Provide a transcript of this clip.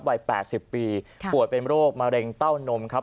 วัย๘๐ปีป่วยเป็นโรคมะเร็งเต้านมครับ